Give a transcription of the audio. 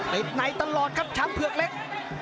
เต็มไหนตลอดครับช้างเผือกเล็ก